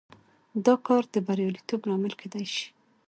دا کار د بریالیتوب لامل کېدای شي.